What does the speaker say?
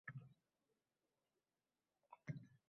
Mehmonxonamizda uning korobkasi bor.